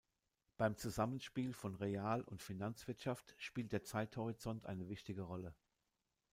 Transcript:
Beim Zusammenspiel von Real- und Finanzwirtschaft spielt der Zeithorizont eine wichtige Rolle.